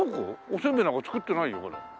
おせんべいなんか作ってないよほら。